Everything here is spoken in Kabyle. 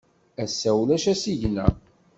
Ass-a, ulac asigna.